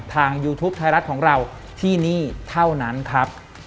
ยูทูปไทยรัฐของเราที่นี่เท่านั้นครับ